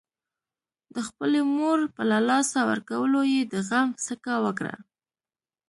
د خپلې مور په له لاسه ورکولو يې د غم څکه وکړه.